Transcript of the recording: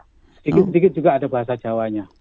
sedikit sedikit juga ada bahasa jawanya